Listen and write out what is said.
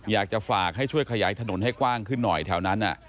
อยากจะฝากให้ช่วยขยายถนนให้กว้างขึ้นหน่อยแถวนั้น